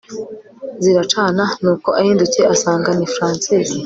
ziracana nuko ahindukiye asanga ni Francis